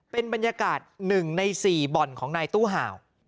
เป็นบรรยากาศ๑ใน๔บ่อนของนายตู้ห่าว